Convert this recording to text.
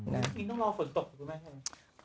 นี่ต้องรอฝนตกหรือไม่ใช่ไหม